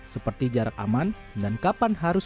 seperti jarak aman dan kapan harus